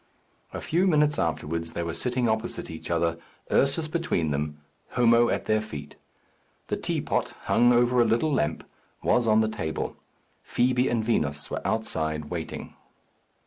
A few minutes afterwards they were sitting opposite each other, Ursus between them, Homo at their feet. The teapot, hung over a little lamp, was on the table. Fibi and Vinos were outside, waiting.